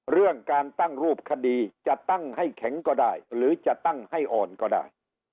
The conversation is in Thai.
เรื่องการตั้งรูปคดีจะตั้งให้แข็งก็ได้หรือจะตั้งให้อ่อนก็ได้